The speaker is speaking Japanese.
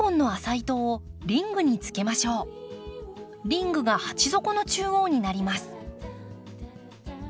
リングが鉢底の中央になります。